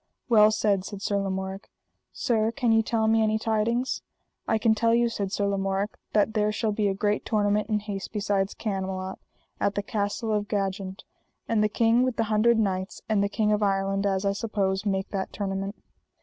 Well said, said Sir Lamorak. Sir, can ye tell me any tidings? I can tell you, said Sir Lamorak, that there shall be a great tournament in haste beside Camelot, at the Castle of Jagent; and the King with the Hundred Knights and the King of Ireland, as I suppose, make that tournament.